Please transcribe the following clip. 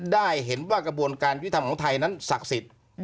ได้เห็นว่ากระบวนการยุทธรรมของไทยนั้นศักดิ์สิทธิ์